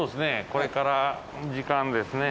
これから時間ですね。